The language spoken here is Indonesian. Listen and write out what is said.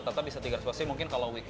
rata rata bisa tiga ratus porsi